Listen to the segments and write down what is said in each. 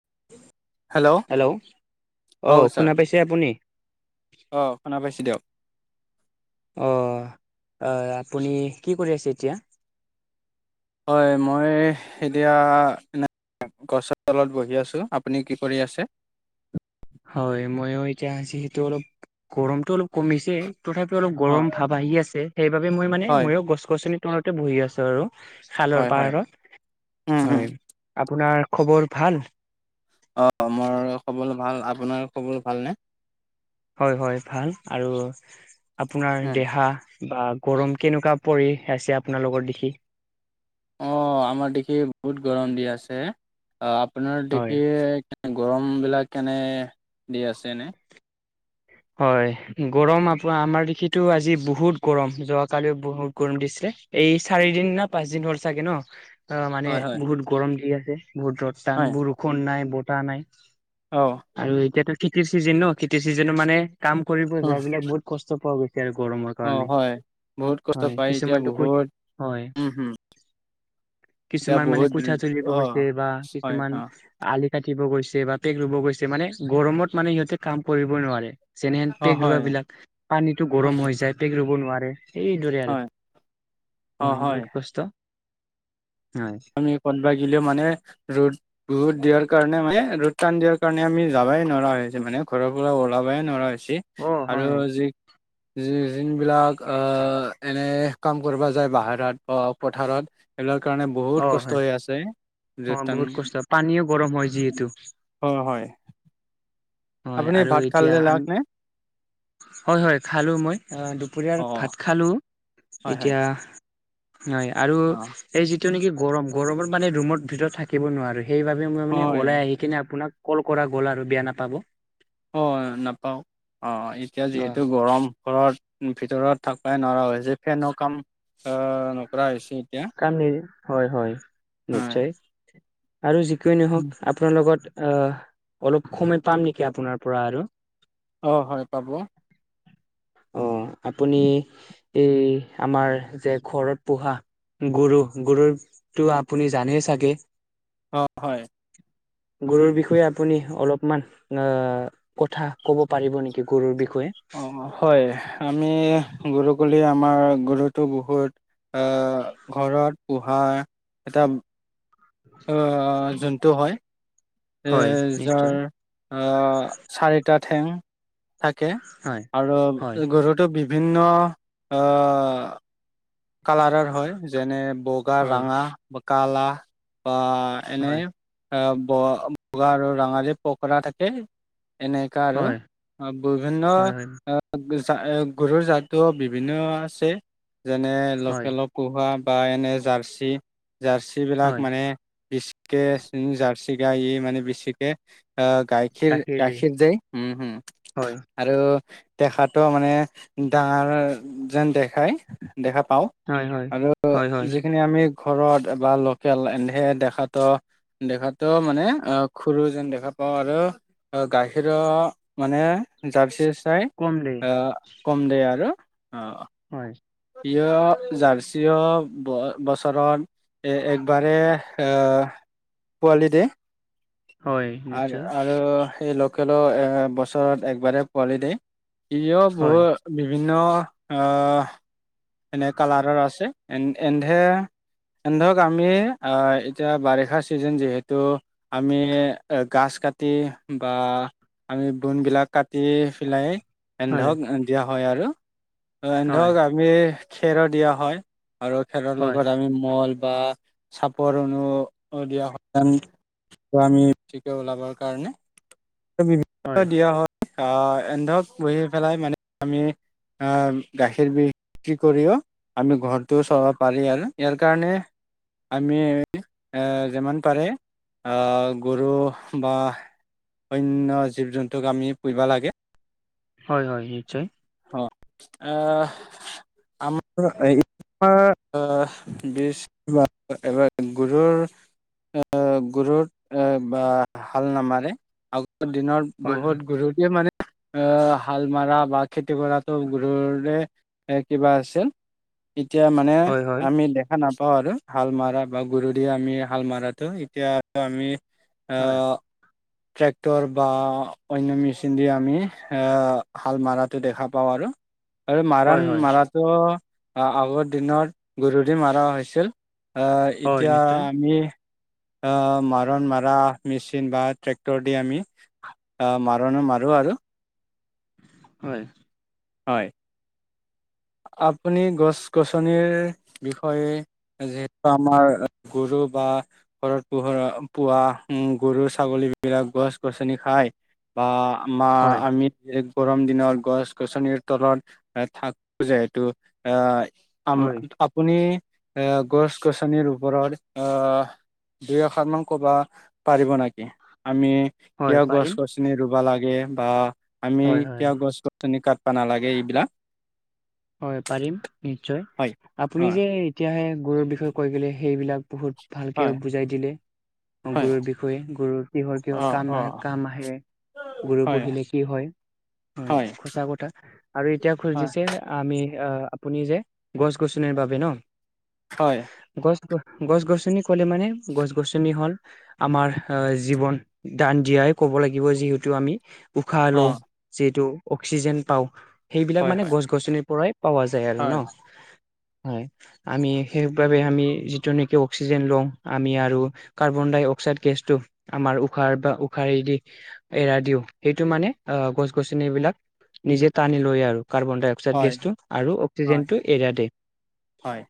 [inaudible] Hello, অ শুনা পাইছে আপুনি? অ শুনা পাইছো দিয়ক। অ, আপুনি কি কৰি আছে এতিয়া? হয় মই এতিয়া গছৰ তলত বহি আছো। আপুনি কি কৰি আছে? হয়, মইয়ো এতিয়া [unintelligible] সেইটো অলপ গৰমতটো অলপ কমিছে। তথাপিও অলপ অ গৰম ভাৱ আহি আছে। সেইবাবে মই মানে হয় ময়ো গছ-গছনি তলতে বহি আছো আৰু। খালৰ হয় হয় উম পাহাৰত। উম হয় আপোনাৰ খবৰ ভাল? অ, মোৰ খবৰ ভাল। আপোনাৰ খবৰ ভালনে? হয়, হয়। ভাল আৰু আপোনাৰ দেহা বা গৰম কেনেকুৱা পৰি আছে আপোনালোকৰ দেখি? অ, আমাৰ দেখি বহুত গৰম দি আছে। অ, আপোনাৰ হয়। দেখি গৰমবিলাক কেনে দি আছেনে? হয়। গৰম আ আমাৰ দেখি আজিটো বহুত গৰম। যোৱাকালিও বহুত গৰম দিছিলে। এই চাৰি দিন না পাঁচ দিন হ'ল চাগে ন। অ, মানে হয় হয় বহুত গৰম দি আছে। বহুত ৰদ টান। হয় বৰষুণ নাই, বতাহ নাই। অ আৰু এতিয়াতো খেতিৰ চিজন ন? খেতিৰ চিজন মানে কাম কৰিব যোৱাবিলাক [unintelligible] কষ্ট পোৱা গৈছে। এ গৰমৰ অ কাৰণে, হয় বহুত কষ্ট হয় পায় এতিয়া কিছুমানটো ক বহুত হয়। উম হম এতিয়া কিছুমান মানে বহুত কোঠা চলিব অ গৈছে বা হয় কিছুমান অ আলি কাটিব গৈছে বা পেক ৰুব গৈছে মানে গৰমত মানে সিহঁতে কাম কৰিব নোৱাৰে। যেনেহেন অ পেক ৰুৱা হয় বিলাক। পানীতো গৰম হয় হৈ যায় পেক ৰুব নোৱাৰে। এইদৰে আৰু হয় অ ও হয় বহুত কষ্ট। হয় আমি কতবা গিলেও মানে ৰ'দ বহুত দিয়াৰ কাৰণে মানে ৰ'দ টান দিয়াৰ কাৰণে আমি যাবাই নৰা হৈছোঁ। মানে ঘৰৰ পৰা ওলাবই নৰা হৈ যি অ আৰু হয় যি যি যোনবিলাক আহ এনে কাম কৰিব যায় বাহাৰত বা পথাৰত। এইবিলাক কাৰণে বহুত অ কষ্ট হয় হৈ আছে। অ বহুত কষ্ট পানীও গৰম হয় যিহেতু [unintelligible] হয়, হয়। হয় আপুনি আৰু ভাত এতিয়া খালে আন লাগ নে হয়, হয় খালোঁ মই দুপৰীয়াৰ অ ভাত খালোঁ। হয় হয় এতিয়া হয় আৰু অ এই যিটো নেকি গৰম, গৰমত মানে ৰুমৰ ভিতৰত থাকিব নোৱাৰি। সেইবাবে মই মানে হয় ওলাই আহি কিনে আপোনাক কল কৰা গ'ল আৰু বেয়া নাপাব। অ, নাপাওঁ। অ এতিয়া যিহেতু অ', গৰম ঘৰত ভিতৰত থাকো। উপাই নহা হৈছে ফেনো কাম অ নকৰা হৈছি। কাম নি হয়, হয় হয় নিশ্চয়। আৰু যিকে নহওক। আপোনাৰ লগত অলপ সময় পাম নেকি আপোনাৰ পৰা আৰু? অ, হয় পাব। অ, আপুনি এই আমাৰ যে ঘৰত পোহা গুৰু, গুৰুকটো আপুনি জানেই চাগে? অ হয় গৰুৰ বিষয়ে আপুনি অলপমান আহ কথা কব পাৰিব নেকি গুৰুৰ বিষয়ে। অ হয় আমি গৰু বোলি আমাৰ গৰুতো বহুত আহ ঘৰত পোহা এটা অ জন্তু হয়। হয় যাৰ নিশ্চয় আহ চাৰিটা ঠেং থাকে হয় আৰু হয় গৰুটো বিভিন্ন আহ কালাৰৰ হয় যেনে বগা, হয় ৰঙা, কালা বা এনেই হয় বগা আৰু ৰঙালী পখৰা থাকে। এনেকা আৰু হয় অ বিভিন্ন হয় হয় যা গৰুৰ জাতো বিভিন্ন আছে যেনে হয় লখেল পুহা বা এনে জাৰ্চি- জাৰ্চী বিলাক হয় মানে বিচিকে জাৰ্চি বা গাইয়ে মানে বেছিকে আহ গাইখীৰ গাখীৰ দে উম হম হয় আৰু দেখাতটো মানে ডাঙৰ যেন দেখাই দেখা পাওঁ হয় হয় আৰু হয় হয় যিখিনি আমি ঘৰত বা লোকেল এনহে দেখাতো দেখাতো মানে অ সৰু যেন দেখা পাওঁ আৰু গাখীৰৰ মানে জাৰ্চী চাই কম দেই কম দিয় আৰু হয় প্ৰীয় জাৰ্চিয় বছৰত এ একবাৰে পোৱালি দেই। হয় আ নিশ্চয় আৰু এ লোকেলৰ এ বছৰত একবাৰেই পোৱালি দিয়ে ইও হয়। বহুত বিভিন্ন আহ এনে কালাৰৰ আছে এন এন্ধে এন্ধক আমি আহ এতিয়া বাৰিষাৰ ছিজন যিহেতু আমি গাছ কাটি বা আমি বন বিলাক কাটি পেলাই হয়। এন্ধক দিয়া হয় আৰু হয় এন্ধক আমি খেৰ দিয়া হয় আৰু খেৰৰ হয় লগত আমি মল বা চাপৰ সমূহ দিয়া হয় ত আমি ঠিকে ওলাবৰ কাৰণে হয় দিয়া হয়। আহ এন্ধক বহি পেলাই মানে আমি অ গাখীৰ বিষ কৰিও আমি ঘৰটোও চলাব পাৰি আৰু ইয়াৰ কাৰণে। আমি এ যিমান পাৰে। অ গৰু বা অন্য জীৱ জন্তুক আমি পুবা লাগে। হয় হয় নিশ্চয়। অ আমাৰ- আমাৰ াৰ গ [unintelligible] বা আ হাল নামাৰে আ দিনৰত হয় বহুত হয়। গৰু দিও মাৰে এ হাল মাৰা বা খেতি কৰাতো গৰুৰে এ কিবা আছিল। এতিয়া মানে হয় হয় আমি দেখা নাপাওঁ। পাওঁ আৰু হাল মৰা বা গৰু দিয় আমি হাল মৰাটো এতিয়া আমি। হয় আহ ট্ৰেক্টৰ বা অন্য মেচিন দি আমি এ হাল মাৰত টো দেখা পাওঁ আৰু আৰু হয় মাৰণ হয় মাৰাটো আহ আগৰ দিনত গৰু দি মৰা হৈছিল। আহ হয় এতিয়া নিশ্চয় আমি আহ মাৰণ মাৰ মেচিন বা ট্ৰেক্টৰ দি আমি আহ মাৰণো মাৰো। আৰু হয় হয় আপুনি গছ- গছনিৰ বিষয়ে- যিহেতু আমাৰ গৰু বা ঘৰত পোহা পোৱা গৰু ছাগলী গছ গছনি খাই বা আমাৰ হয়। আমি গৰম দিনৰ গছ গছনিৰ তলত এ থাকো যিহেতু আহ আম হয় আপুনি এ গছ গছনিৰ ওপৰত আহ। দুই এষাৰ মান কবা পাৰিব নেকি? আমি হয় কিয় গছ পাৰিম গছনি ৰুবা লাগে বা আমি হয় হয় কিয় গছ গছনি কাটবা নালাগে এইবিলাক হয় পাৰিম, নিশ্চয় হয় আপুনি হয় যে এতিয়াহে গৰুৰ বিষয়ে কৈ গ'লে সেইবিলাক বহুত হয় ভালকে বুজাই দিলে। হয় গৰুৰ বিষয়ে গুৰুৰ কিহৰ অ কিহৰ কাম অ আহ কাম আহে। গৰু হয় পুহিলে কি হয় হয় সচা কথা, আৰু এতিয়া হয় খুজিছে আমি আপুনি যে গছ গছনিৰ বাবে ন, হয় গছ গছ গছনি ক'লে মানে গছ গছনি হল আমাৰ জীৱন দান দিয়াই। কব লগিব যিহেটো আমি উশাহ অ লওঁ যিহেতু অক্সিজেন পাওঁ সেইবিলাক হয় মানে হয় গছ গছনিৰ পৰাই। পোৱা যায় আৰু ন। হয় হয় আমি সেইবাবে আমি যিটো নেকি অক্সিজেন লওঁ আমি আৰু কাৰ্বন ডাই- অক্সাইড গেছটো আমাৰ ঊষাহৰ পৰা ঊষাহে দি এৰাই দিওঁ সেইটো মানে অঁ বিলাক নিজে টানি লয় আৰু কাৰ্বন ডাই অক্সাইড হয় গেছটো আৰু হয় অক্সিজেনটো এৰা দে হয়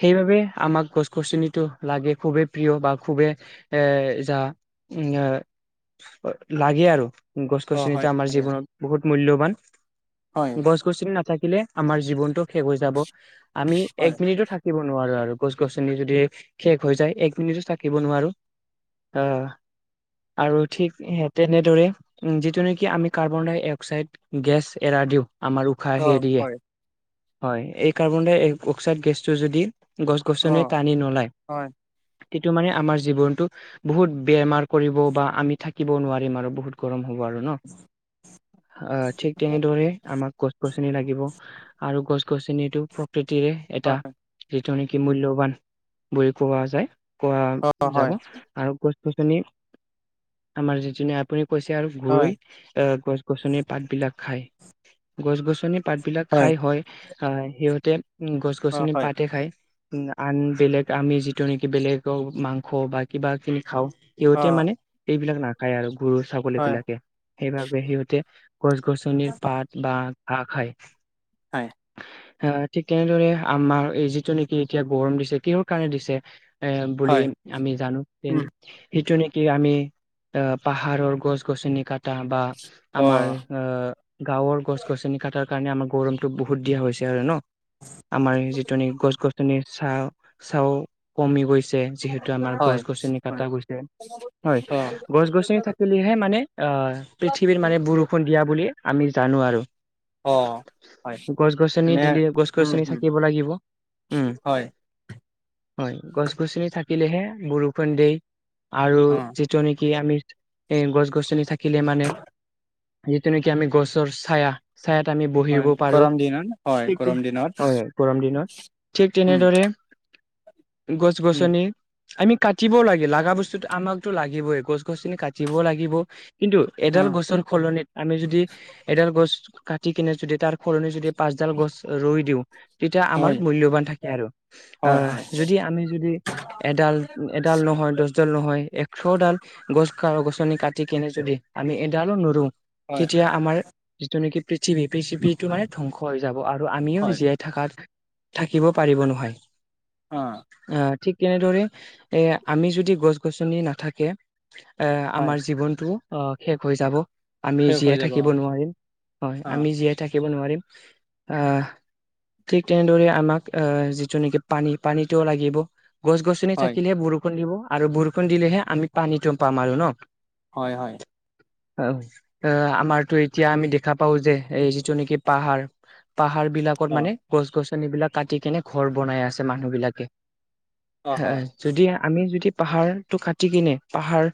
সেইবাবে আমাক গছ গছনিটো লাগে খুবেই প্ৰিয় বা খুবেই এ য লাগে আৰু গছ অ গছনিটো হয় আমাৰ জীৱনত বহুত মূল্যবান হয় গছ গছনি নাথাকিলে। আমাৰ জীৱনতটো শেষ হৈ যাব আমি এক মিনিটো থাকিব নোৱাৰো আৰু গছ গছনি যদি শেষ হৈ যায় এক মিনিটো থাকিব নোৱাৰো আহ আৰু ঠিক স তেনেদৰে যিটো নেকি আমি কাৰ্বন ডাই অক্সাইড গেছ এৰা দিওঁ। আমাৰ হয় অ উশাহ হেৰিয়ে- হয় হয় এই কাৰ্বন ডাই অক্সাইড গেছটো যদি। গছ অ গছনি টানি নলায়। হয় সেইটো মানে আমাৰ জীৱনটো বহুত বেমাৰ কৰিব বা আমি থাকিব নোৱাৰিম আৰু বহুত গৰম হ'ব আৰু ন অ ঠিক তেনেদৰে আমাক গছ গছনি লাগিব আৰু গছ গছনিটো প্ৰকৃতিৰে এটা হয় য নেকি মূল্যবান বুলি কোৱা যায় কোৱা অ যাব হয় আৰু আমাৰ যিজন আপুনি কৈছে আৰু হয় গৰুই আ গছ গছনিৰ পাত বিলাক খাই গছ গছনিৰ পাত বিলাক খাই হয় আ সিহঁতে গছ অ গছনি হয় পাতে খায় উ আন বেলেগ আমি যিটো নেকি বেলেগ মাংস বা কিবা খিনি খাওঁ অ সিহঁতে মানে এইবিলাক নাখায় আৰু গৰু ছাগলী হয় বিলাকে, সেইবাবে সিহঁতে গছ গছনিৰ পাত বা ঘাঁহ খাই হয় আ ঠিক তেনেদৰে আমাৰ এই যিটো নেকি এতিয়া গৰম দিছে কিহৰ কাৰণে দিছে এ বুলি হয় আমি জানো উম সিটো কি আমি অ পাহাৰৰ গছ গছনি কাটি বা অ আমাৰ অ গাঁৱৰ গছ গছনি কটাৰ কাৰণে আমাৰ গৰমটো বহুত দিয়া হৈছে আৰু ন, আমাৰ যিটো নেকি গছ গছ চাহ চাহও কমি গৈছে যিহেতু আমাৰ হয় গছ গছনি হয় কাটা গৈছে হয় অ গছ গছনি থাকিলেহে মানে অ পৃথিৱীৰ মানে বৰষুণ দিয়া বুলি আমি জানো আৰু অ হয় গছ গছনি মানে দিলে গছ উম গছনি হম থাকিব লাগিব উম হয় হয় গছ গছনি থাকিলেহে বৰষুণ দেই আৰু অ যিটো নেকি আমি এ গছ গছনি থাকিলে মানে যিটো নেকি আমি গছৰ ছায়া ছায়াত আমি হয় বহিব পাৰো গৰম দিনত হয় ঠিক গৰম দিনত হয় গৰম দিনত ঠিক উম তেনেদৰে গছ উম গছনি আমি কাটিবও লাগে লাগা বস্তুো আমাকতো লাগিবই গছ গছনি কাটিবও লাগিব কিন্তু অ এডাল গছৰ সলনিত আমি যদি এডাল গছ কাটি কিনে যদি তাৰ সলনি যদি পাচডাল গছ ৰুই দিওঁ তেতিয়া আমাৰ হয় মূল্যবান থাকে আৰু হয় আহ হয় যদি আমি যদি এডাল এডাল নহয় দহডাল নহয় এক চডাল গছ গছনি কাটি কেনে যদি আমি এডালো নুৰো হয় তেতিয়া আমাৰ যিটো নেকি পি চিপিটো মানে ধ্বংস হৈ যাব আৰু আমিও হয় জীয়াই থাকাত থাকিব পাৰিব নহয় অ আ ঠিক ঠিক তেনেদৰে আমি যদি গছ গছনি নাথাকে হয় আমাৰ জীৱনটো অ শেষ হৈ যাব আমি শেষ হৈ জীয়ে যাব অ থাকিব নোৱাৰিম হয় অ আমি জীয়াই থাকি নোৱাৰিম আহ ঠিক তেনেদৰে আমাক অ যিটো নেকি পানী পানীটোও লাগিব গছ গছনি হয় থাকিলেহে বৰষুণ দিব আৰু বৰষুণ দিলেহে আমি পানীটো পাম আৰু ন হয় হয় অ এ আমাৰতো এতিয়া আমি দেখা পাওঁ যে এই যিটো নেকি পাহাৰ পাহাৰ বিলাকত অ মানে গছ গছনিবিলাক কাটি কেনে ঘৰ বনাই আছে মানুহ বিলাকে হয় যদি আমি যদি পাহাৰটো কাটি কেনে পাহাৰ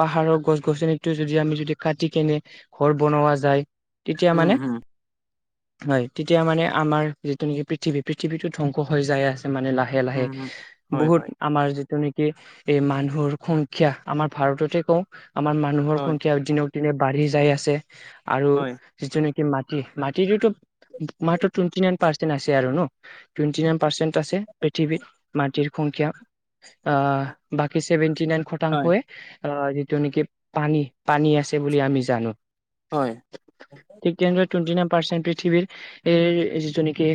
পাহাৰৰ গছ গছনি টো যদি আমি যদি কাটি কেনে ঘ বনোৱা যায় তেতিয়া উম মানে হম হয় তেতিয়া মানে আমাৰ যিটো নেকি পৃথিৱী পৃথিৱীটো ধ্বংস হৈ যাই আছে মানে লাহে লাহে উম হম হয় বহুত হয় আমাৰ তে নেকি এই মানুহৰ সংখ্যা আমাৰ ভাৰততে কওঁ আমাৰ মানুহৰ হয় সংখ্যা দিন দিনে বাঢ়ি যাই আছে আৰু হয় যিটো নেকি? মাটি মাটিতো মাত্ৰ টুৱেণ্টি নাইন পাৰ্চেন্ট আছে আৰু ন টুৱেণ্টি নাইন পাৰ্চেণ্ট আছে পৃথিৱীত মাটিৰ সংখ্যা। আহ বাকী ছেভেন্টি নাইন হয় শতাংশয়ে। অ যিটো নেকি পানী পানী আছে। বুলি আমি জানো। হয়। টুৱেটি নাইন পাৰ্চেণ্ট পৃথিৱীৰ এইৰ যিটো নেকি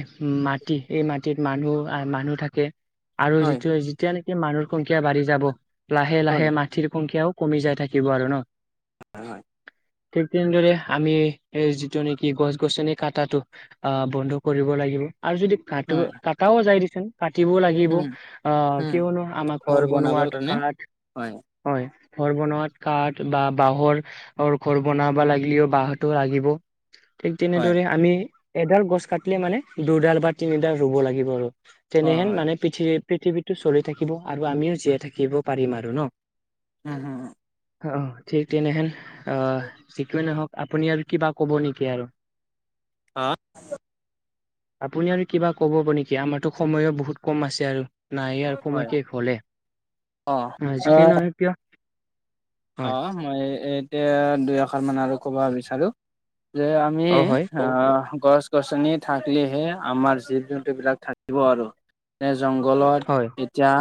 মাটি এই মাটিত মানুহ আহ। মানুহ থাকে। আৰু যিটোয়া যেতিয়া নেকি মানুহৰ সংখ্যা বাঢ়ি যাব লাহে হয় লাহে মাটিৰ সংখ্যাও কমি যাই থাকিব আৰু ন! হয় হয় ঠিক তেনেদৰে আমি এই যিটো নেকি গছ গছনি কটাটো আহ বন্ধ কৰিব লাগিব। আৰু যদি কা হয় কটাও যায়। কাটিবও লাগিব উম অ উম কিয়নো আমাৰ ঘৰ ঘৰত বনাবৰ বনোৱাত কাৰণে কাঠ হয় হয়। ঘৰ বনোৱাত কাঠ বা বাঁহৰ ঘৰ বনাব লাগিলেও বাঁহটো লাগিব। ঠিক হয় তেনেদৰে আমি এডাল গছ কাটিলে মানে দুডাল বা তিনিডাল ৰুব লাগিব আৰু অ তেনেহেন হয় মানে পৃথিৱী পৃথিৱীতটো চলি থাকিব আৰু আমিও জীয়াই থাকিব পাৰিম আৰু ন! উম উম উম অ ঠিক তেনেহেন আহ যিকোৱে নহওক আপুনি আৰু কিবা কব নেকি? আৰু আহ আপুনি আৰু কিবা ক'ব প নেকি আমাৰতো সময়ো বহুত কম আছে আৰু নাই আৰু হয় সময় শেষ হলে অ আজিকে নহয় কিয়? হয় অঁ মই এতিয়া দুই এখন মান আৰু ক'ব বিচাৰোঁ। যে আমি হয় অ ক'ব পাৰিব গছ। গছনি থাকিলেহে আমাৰ জীৱ জন্তু বিলাক থাকিব আৰু জংঘলত হয় এতিয়া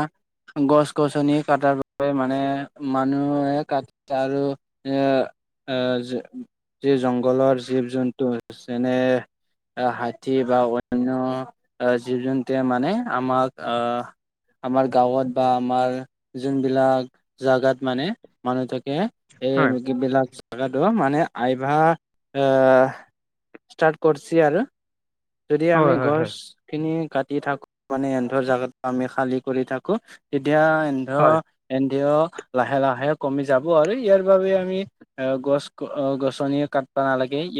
গছ গছনি কটাৰ বাবে মানে মানুহ এক। কাঠ আৰু এ আহ যি জংঘলৰ জীৱ জন্তু যেনে আহ হাতী বা অন্য জীৱ জন্তুৱে মানে আমাক আহ। আমাৰ গাঁৱত বা আমাৰ যোনবিলাক জাগাত মানে মানুহ থাকে এই হয় বিলাক। থকাটো মানে আইভা এ ষ্টাৰ্ট কৰিছে আৰু যদি আমি হয় হয় হয় গছখিনি কাটি থাকো মানে এহেতৰ জেগাত আমি খালি কৰি থাকো। তেতিয়া এতিয়া হয় ধৰ এহেতি ধৰ লাহে লাহে কমি যাব আৰু ইয়াৰ বাবে আমি অ গছ গছনি কাটব নালাগে ইয়াত।